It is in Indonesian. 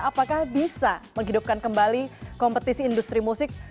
apakah bisa menghidupkan kembali kompetisi industri musik